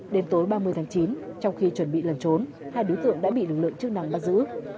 đến tối ba mươi tháng chín trong khi chuẩn bị lần trốn hai đối tượng đã bị lực lượng chức năng bắt giữ